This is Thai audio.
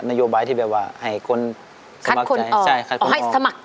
โยบายที่แบบว่าให้คนให้สมัคร